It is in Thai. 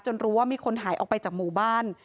รู้ว่ามีคนหายออกไปจากหมู่บ้าน